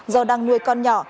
do đang nuôi con nhỏ